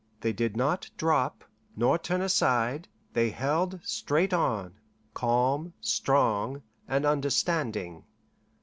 They did not drop, nor turn aside; they held straight on, calm, strong and understanding.